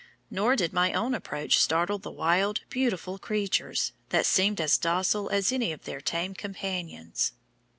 Nor did my own approach startle the wild, beautiful creatures, that seemed as docile as any of their tame companions.